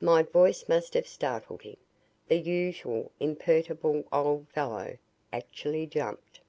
My voice must have startled him. The usually imperturbable old fellow actually jumped.